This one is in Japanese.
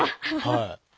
はい。